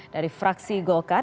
dari fraksi gokar